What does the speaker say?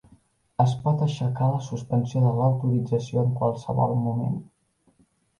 Es pot aixecar la suspensió de l'autorització en qualsevol moment.